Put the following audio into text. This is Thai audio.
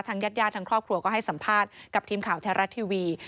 ญาติทางครอบครัวก็ให้สัมภาษณ์กับทีมข่าวแท้รัฐทีวี